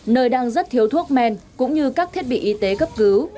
nơi đang rất thiếu thuốc men cũng như các thiết bị y tế cấp cứu